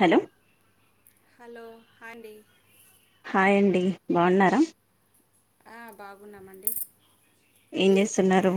Hello hello హేండి హాయ్ండి బాగున్నారా ఆ బాగున్నామండి ఏం చేస్తున్నారు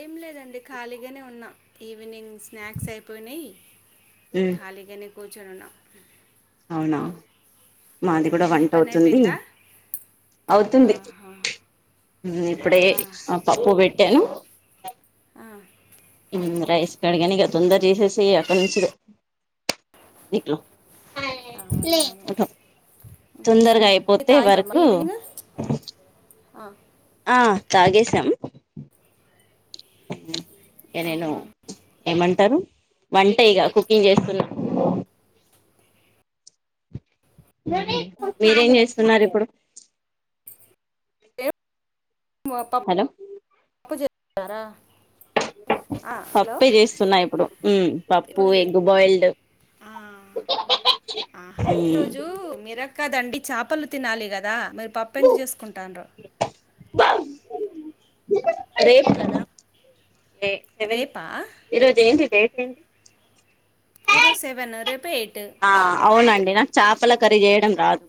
ఏం లేదండి ఖాళీగానే ఉన్నాం ఈవినింగ్ స్నాక్స్ అయిపోయినాయి ఉమ్ ఖాళీగానే కూర్చొనున్నం అవునా మాది కూడా మీ వంట పని అవుతుంది అయిపోయిందా అవుతుంది ఆహా ఇప్పుడే అవునా ఆ పప్పు పెట్ ట్టాను ఆ, రైస్ స్ కడిగాను తొందర చేసేసి అక్కడి నుంచి ఇట్లు అవునవును [inaudible] ఉమ్, తొందరగా స్నా- టీ అయిపోతే తాగిరా వర్క్ మరి ఈవినింగ్ ఆ, ఆ తాగేశాం ఇక నేను అవునా ఏమంటారు వంటె ఇగ కుకింగ్ చేస్తున్నా మీరేం చేస్తున్నారు ఇప్పుడు ఏం హలో [unintelligible] [unintelligible] ఆ, హలో పప్పు చేస్తున్నా ఇప్పుడు పప్పు ఇప్పుడు ఎగ్ బాయిల్డ్ ఆ, ఆ ఆహా ఈ రోజు మీరక్క దండి చాపలు తినాలి కదా మీరు పప్పు ఎందుకు చేసుకుంటాడరూ రే సెవెన్ రేపా ఈరోజు ఏంటి డేట్ ఏంటి ఈరోజు సెవెన్ రేపు ఎయిట్ ఆ అవునండి నాక్ చాపల్ పల కరి చేేయడం రాదు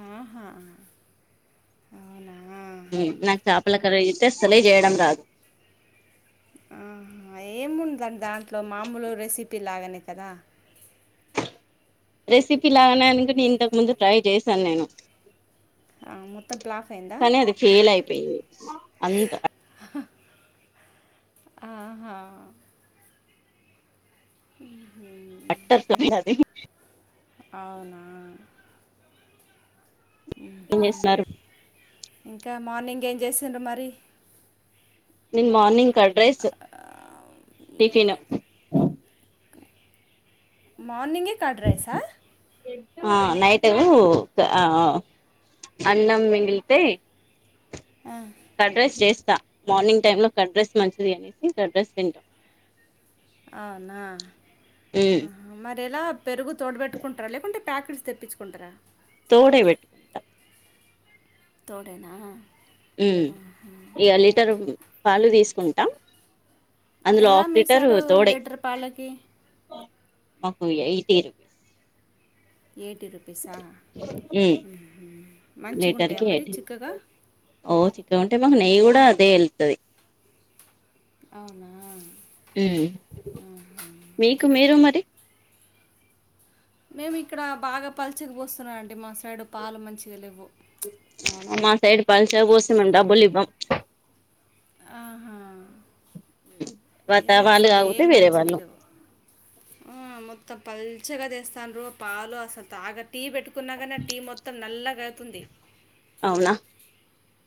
ఆహా అవునా ఉమ్ నాకు చేపల కర్రీ అయితే అసలే చేయడం రాదు ఆహ ఏముందండి దాంట్లో మామూలు రెసిపీ లాగానే కదా రెసిపీ లాగడానికి నేన్ ఇంతకు ముందు ట్రై చేశాను నేను ఆ, మొత్తం ప్లాఫ్ అయిందా కానీ అది ఫెయిల్ అయిపోయింది అంత ఆహా ఉమ్ అట్టర్ ఫ్లాప్ అది అవునా ఏం చేస్తున్నారు ఇంకా మార్నింగ్ ఏం చేసిండ్రు మరీ నిన్ మార్నింగ్ కడ్రైస్ టిఫిన్ మార్నింగే కర్డ్ రైసా ఆ నైట్ ఆ అన్నం మిగిలితే ఆ కర్ఫ్రైస్ చేస్తా మార్నింగ్ టైమ్ లో కట్డ్రస్ మంచిది అనేసి కడ్రెస్ తింట్ అవునా మరి ఎలా పెరుగు తోడబెట్టుకుంటార లేకుంటే టాకట్స్ తెప్పించుకుంటారా తోడై పెట్టుకుంటా తోడేనా ఉమ్ ఇక లీటర్ పాలు తీసుకుంటం ఎలా మిగిసాడు లీటర్ పాలకి మాకు ఎయిట్టిన్ ఎయిటీ రూపీసా మంచిగా లీటర్ ఉంటాయా కి మరి ఎయిటీ చిక్కగా ఓ చిక్క ఉంటే మాకు నెయ్యి కూడా అదే వెళ్తది అవునా ఉమ్ మీకు మీరు మరి మేము ఇక్కడ బాగా పల్చకుపోస్తున్నాం అండి మా సైడు పాలు మంచిగా లేవు మా సైడ్ పలుచగా పోస్తే మేము డబ్బులు ఇవ్వం ఆహా ఏ వాళ్ళు అసలే ఏ కాకపోతే వేరే మంచిగా వాళ్ళు లేవు ఆ మొత్తం పల్చగా తెస్తానురూ పాలు అసలు తాగా టీ పెట్టుకున్నా కానీ ఆ టీ మొత్తం నల్లగా అవుతుంది అవునా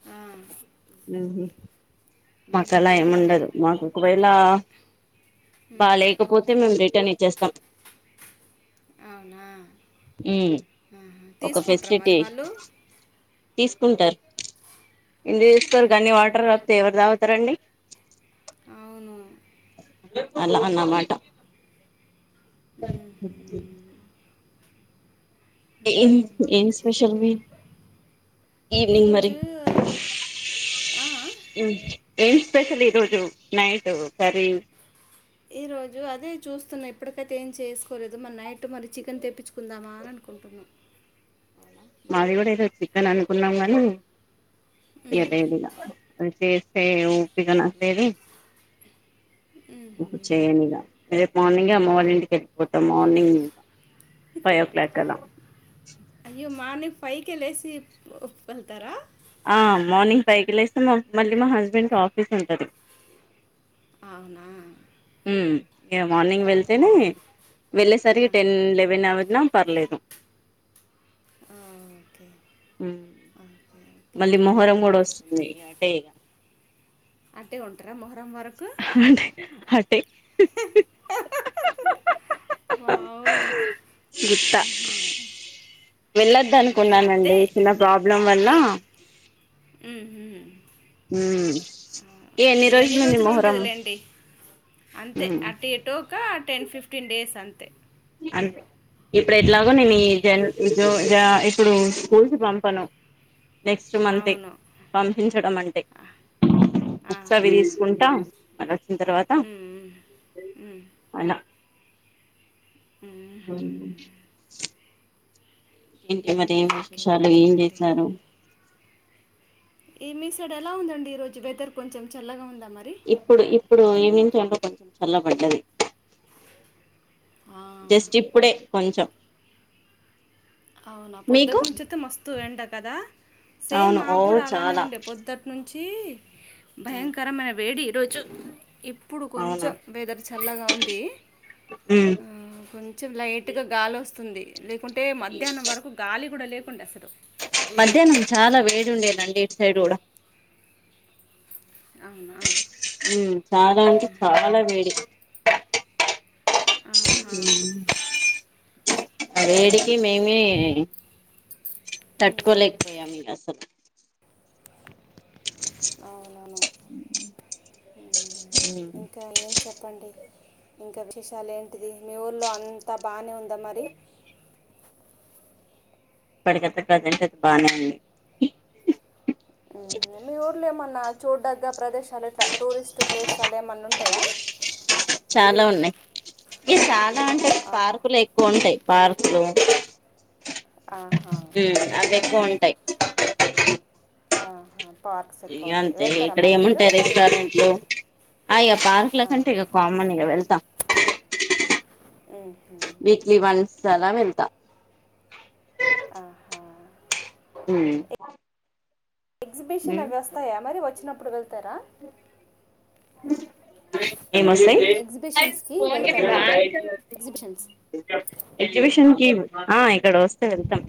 ఉమ్ ఉమ్ మకాళ్ల అందుకని ఏముండదు మాకు ఒకవేళ బా లేకపోతే మేము రిటర్న్ ఇచ్చేస్తాం అవునా ఉమ్ ఒక ఫెసిలిటీ తీసుకుంటారు ఎందుకు చేస్తారు గన్ని మ్మ్హ్మ్. వాటర్ వస్తే ఎవరు తాగుతారండి అవును అలా అన్నమాట ఉమ్ ఏం ఏం స్పెషల్ మీ ఈవినింగ్ మరి ఈరోజు ఆ, ఉమ్ ఏం స్పెషల్ ఈరోజు నైట్ కర్రీ ఈ రోజు అదే చూస్తున్నా ఇప్పటికైతే ఏం చేసుకోలేదు మరి నైట్ మరి చికెన్ తెప్పించుకుందామా అని అనుకు కుంటున్నా మాది కూడా ఏదో చికెన్ అనుకున్నాం గానీ ఉమ్. ఇగ తేలేద్ అంటె. అంటె ఓపిక నశించేది చేయలె ఇగ. రేపు మార్నింగే అమ్మ వాళ్ళ ఇంటికి వెళ్ళిపోతం మార్నింగ్. ఫైవ్ ఓ క్లాక్ అలా. అయ్యో మార్నింగ్ హాయ్ కే లేసి వెళ్తారా. ఆ మార్నింగ్ ఫైవ్ కి లేస్తే మళ్లీ మా హస్బెండ్ ట్రాఫిక్ అంటారు. అవునా. ఉమ్ ఇక మార్నింగ్ వెళ్తేనే ఆ, వెళ్ళేసరికి టెన్ లెవెన్ అవర్. పర్లేదు. ఆ, ఓకే ఓకే ఓకే మళ్ళీ మొహరం అలానా కూడా వస్తుంది అంటే. అంటే ఉంటారా మొహరం వరకు. అంటే అటే. వావ్ ఆహా. వెళ్లొద్దు ఆ, ఇక అంతే అనుకున్నానండి చిన్న ప్రాబ్లం వల్ల. హ్మ్. హ్మ్ ఈ ఎన్ని రోజులుంది రోజులు మొహరం. ఉంటుందిలేండి అంతే మ్మ్ అటు ఎటో ఒక టెన్ ఫిఫ్టీన్ డేస్ అంతే. అంటే ఇప్పుడు ఎట్లాగో నెన్ ఈ ఉమ్, జన్ ఈజో. జు ఇప్పుడు స్కూల్స్ పంపను. నెక్స్ట్ మంత్ అవును పంపించడం అంటే‌. బుక్స్ అవి ఆహా తీసుకుంటా వాళ్ళు వచ్చిన తర్వాత. ఉమ్, ఉమ్. అలా. అ. ఏంటి మరి ఏం ఓకే విశేషాలు ఓకే ఏం అండి చేశారు. ఈ మీ సైడ్ ఎలా ఉందండి ఈ రోజు వెదర్ కొంచెం చల్లగా ఉంద. ఇప్పుడు ఇప్పుడు ఈవినింగ్ టైంలో కొంచెం చల్లబడ్డది. జస్ట్ ఆ, ఇప్పుడే కొంచెం. అవునా పొద్దుటి మీకు నుంచియితే మస్తు ఎండ కదా. సేమ్ అవును ఓ మాకు కూడా అలానే చాలా ఉండే పొద్దుటి నుంచి. చి భయంకరమైన వేడి ఈరోజు. ఇప్పుడు అవునా కొంచెం వెదర్ చల్లగా ఉంది‌. ఉమ్ ఆ కొంచెం లైట్గా గాలి వస్తుంది. లేకుంటే మధ్యాహ్నం వరకు గాలి కూడా లేకుండా అసలు‌. మధ్యాహ్నం చాలా వేడి ఉండేనండి ఇటు సైడ్ కూడా. అవును అవును. చాలా అంటే చాలా వేడిగ. ఆహా! ఆ వేడికి మేమే. హ్మ్. తట్టుకోలేకపోయాను ఇగ అసలు. అవునవును. హ్మ్. అ ఇంకా ఏం చెప్పండి. ఇంకా విశేషాలు ఏంటిది మీ ఊర్లో అంతా బానే ఉందా మరి. ఇప్పటికైతే వెదర్ బానే ఉంది. మీ ఊర్లో ఏమన్నా చూడ్దగ్గ ప్రదేశాలు ఎట్లా టూరిస్ట్ ప్లేస్ లో అలా ఏమైనా ఉన్నాయా. ఉంటాయా. చాలా ఉన్నాయి ఇ చాలా అంటె ఆ, పార్కులు ఎక్కువ ఉంటాయి పార్కులు. ఆహా ఉమ్ అవి ఎక్కువ ఉంటాయి. ఆహా పార్క్స్ ఇగ ఎక్కువ ఉంటాయి అంతే వెళ్తారా ఇక్కడ మరి మీరు ఏముంటాయి రెస్టారెంట్లు ఆ ఇక పార్క్ లకంటే ఇక కామనెగా వెళ్తా ఉహు సలా వెళ్తా ఆహా ఉ ఎగ్జిబిషన్ అగ వస్తాయా మరి వచ్చినప్పుడు వెళ్తారా. ఏమోస్తాయ్ ఎగ్జిబిషన్స్కి వెళ్తారా ఎగ్జిబిషన్స్ ఎగ్జిబిషన్ కి ఆ ఇక్కడ వస్తే వెళ్తాం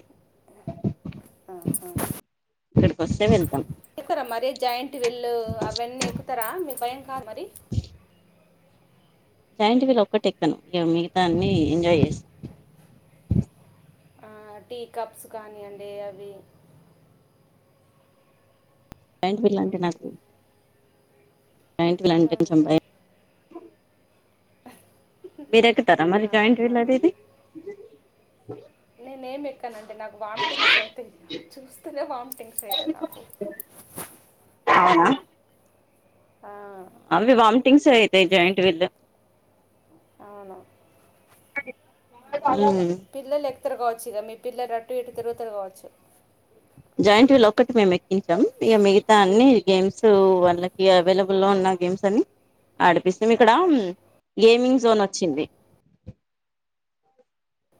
ఆ హ ఇక్కడికి వస్తే వెళ్తాం ఎక్తారా మరి జాయింట్ విల్లు అవన్నీ ఎక్కుతారా మీకు భయం కాద్ మరి. జాయింట్ వీల్ ఒక్కటే ఎక్కాను ఇగ మిగతా అన్ని ఎంజాయ్ చేస్ ఆ టీ కప్స్ కానీ అండి అవి జాయింట్ వీల్ అంటే నాకు జాయింట్ వీల్ ఆ. అంటే కొంచం భయం మీర ఎక్కుతారా మరి జాయింట్ వీల్ ఆహా అనేది నేనే ఏం ఎక్కానండి నాకు వామిటింగ్స్ అయితే చూస్తూనే వామిటింగ్స్ అయితాయ్ నాకు. ఆ ఆ, అవి వామిటింగ్సే అయితాయ్ జాయింట్ వీల్లు అవును మ్ పిల్లలు ఎక్కరు కావచ్చుగా మీ పిల్లలు అటు ఇటు తిరుగుతర్ కావచ్చు జాయింట్ వీల్ ఒక్కటి మేము ఎక్కించాం ఇక మిగతా అన్ని గేమ్సు వాళ్ళకి అవైలబులో ఉన్న గేమ్స్ అని ఆడిపిస్త్ మేము ఇక్కడ గేమింగ్ జోన్ వొచ్చింది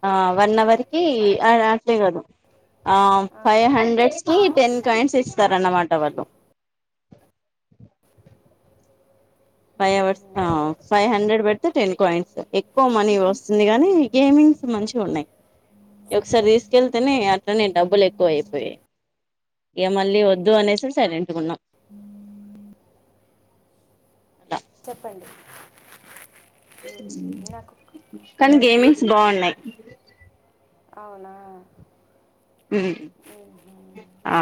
ఆ వన్ అవర్ కి అ అట్లే కాదు ఆ ఫైవ్ అవునా హండ్రెడ్ కి టెన్ కాయిన్స్ ఇస్తారన్నమాట వాళ్ళు ఫైవ్ అవర్స్ ఆ ఫైవ్ హండ్రెడ్ పెడితే టెన్ కాయిన్స్ ఎక్కువ మనీ వస్తుంది గానీ గేమింగ్ మ్స్ మంచిగా ఉన్నాయ్ ఒకసారి తీసుకెళ్తేనే అట్లానే డబ్బులు ఎక్కువ అయిపోయాయి. ఇగ మళ్ళీ వద్దు అనేసి సైలెటుగున్నాం చెప్పండి ఉమ్, నాకు ఉ కానీ గేమింగ్స్ ఆ, బాగున్నాయ్ అవునా ఉ ఆ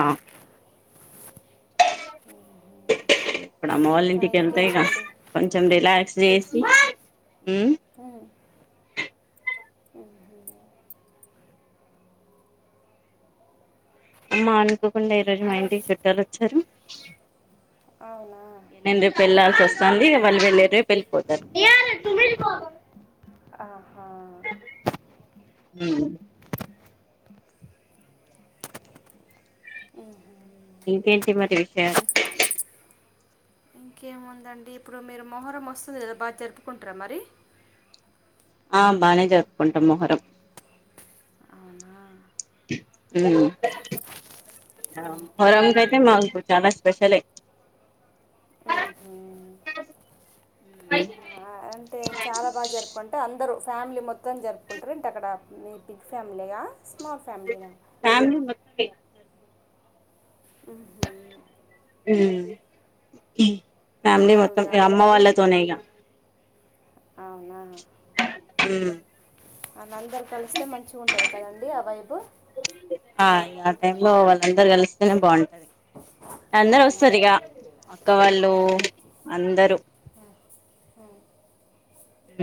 ఇప్పుడు అమ్మ వాళ్ళ ఇంకా ఇంటికి వెళ్తే ఇగా ఇంకేంటండి కొంచెం రిలాక్స్ జేసి ఉ ఉ ఉహు ఇగ అమ్మా అనుకోకుండా ఈ రోజు మా ఇంటికి చుట్టాలు వచ్చారు. అవునా ఇగ నేను రేపు వెళ్లాసి వస్త్ స్తంది వాళ్ళుఇగ రేప్ వెళ్లిపోతారు ఆహా ఉ ఇంకేంటి మరి విషయాలు ఇంకేముందండి ఇప్పుడు మీరు మొహరం వస్తుంది కదా బాగా జరుపుకుంటారా మరి. ఆ బానే జరుపుకుంటాం మొహరం అవునా ఉ మొహరంకైతే మాకు చాలా స్పెషలే ఊ హు ఉ అంటే చాలా బాగా జరుపుకుంటే అందరు ఫ్యామిలీ మొత్తం జరుపుకుంటారు అంటే అక్కడ మీ బిగ్ ఫ్యామిలీగా స్మాల్ ఫైమలీలో సక ఆహ ఉ ఫ్యామిలీ అందరూ మొత్తం ఇక అమ్మ ఉంటారు వాళ్ళతోనే ఇక అవునా ఉ అ అందరు కలిస్తే మంచి ఉంటది కదండీ ఆ వైపు ఆ ఆ టై లో వాళ్ళందరు కలిస్తేనే బాగుంటది అందరుూ అవునా వస్తారు ఇక ఒక్క వాళ్ళు ఆ. అందరూ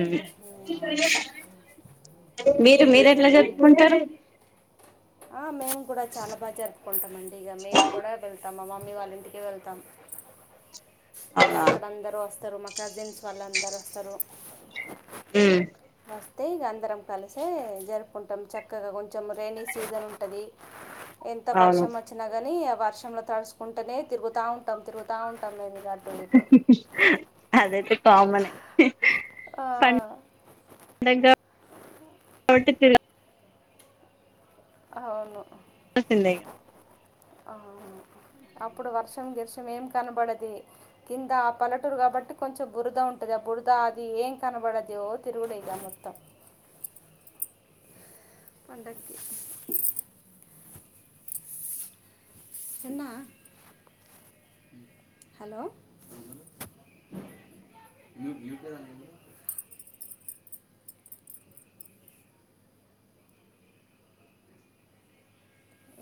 ఉమ్, ఉమ్, ఉమ్. ఉ మీరు మేము మీరు కూడా ఎట్లా వెళ్ళాలండి చెప్పుకుంటారు ఆ మేము కూడా చాలా బాగా జరుపుకుంటామ అండి ఇక మేము కూడా వెళ్తాం మ వాళ్ళ ఇంటికి వెళ్తాం ఇ అవునా అక్కడ అందరుూ వస్తారు మా కజిన్స్ వాళ్ళు అందరుూ వస్తారు ఉ అస్తే ఇక అందరం కలిసే జరుపుకుంటాం చక్కగా కొంచెం రెైనీ సీజన్ ఉంటుంది ఎంత అవును వర్షం వచ్చినా కానీ ఆ వర్షంలో తడుచుకుంటేనే తిరుగుతా ఉంటాం తిరుగుతా ఉంటాం మది కాట్ అదైతే కోమన్ ఆ అటి త [unintelligible] అవును ందేగా [unintelligible] ఆహా అప్పుడు వర్షం గీషం ఏం కనబడద్ కింద ఆ పల్లటూరు కాబట్టి కొంచెం బురద ఉంటది ఆ బురద అది ఏం కనబడదిో తిరుగులేద [unintelligible] పండక్కి చినా హలో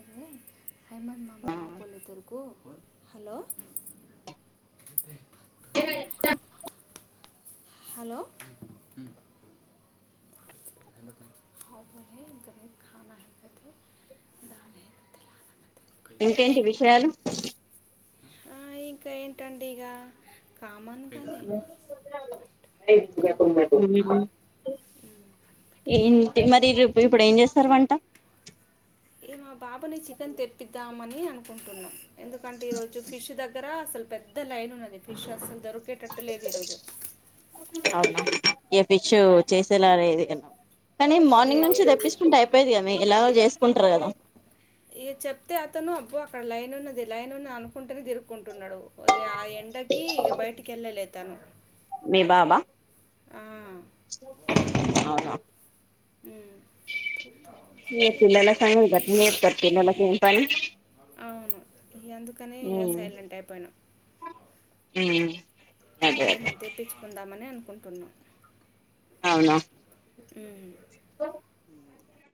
ఏరే హైమన్ మామా పలేతరుకు [unintelligible] హలో ఏ హలో [unintelligible] ఇంకేంటి విషయాలు ఆ ఇంకా ఏంటండి ఇక కామ ఏ మరి ఇప్పుడు ఏం చేస్తారు వంట ఏ మా బాబానే చికెన్ తెప్పద్దాం ని అనుకుంటున్నాం ఎందుకంటే ఈ రోజు ఫిష్ దగ్గర అసలు పెద్ద లైన్ ఉన్నది ఫిష్ అసలు దొరికేటట్టు లేదు ఈరోజు ఏ ఫిచ్చు ఉమ్, చేసేలాది కన్నా కానీ మార్నింగ్ లేదు నుంచి ఈరోజు తెప్పించుకుంటే అయిపోయిదిగా మీ ఇలాగ చేసుకుంటారు కదా ఇ చెప్తే అతను అబ్బో అక్కడ లైన్ ఉన్నది లైన్న్నా అనుకుంటేనే తిరుకుంటున్నాడు ఆ ఎండకి ఇ బయటికి వెళ్ళలే తను మీ బాబా ఆ అవునా ఉమ్. ఏ అసలు పిల్లలా అయిపోయిరా సంగతి [unintelligible] పిల్లలకేం పని అవును అందుకనే ఇక ఉమ్ సైలెంట్ అయిపోయినా ఉమ్ ఇప్పుడు అదే అదే మరేమరి తెప్పించుకుందామని అనుకుంటున్నాం అవును హ్మ్ ఓ